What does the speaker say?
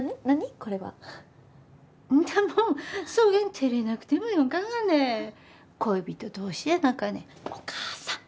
これはんだもそげん照れなくてもよかがね恋人同士やなかねお母さん！